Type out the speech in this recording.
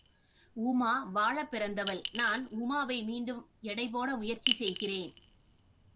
உமா வாழப் பிறந்தவள்! நான் உமாவை மீண்டும் எடை போட முயற்சி செய்கிறேன்.